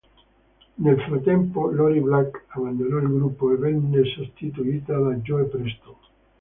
Nel frattempo Lori Black abbandonò il gruppo, e venne sostituita da Joe Preston.